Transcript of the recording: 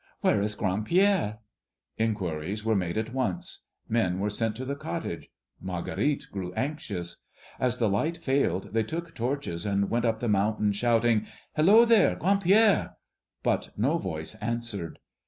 "Where is Grand Pierre?" Inquiries were made at once. Men were sent to the cottage. Marguerite grew anxious. As the light failed, they took torches and went up the mountain, shouting, "Hello there, Grand Pierre!" but no voice answered.